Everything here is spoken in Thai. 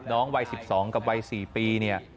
วัย๑๒กับวัย๔ปีเนี่ย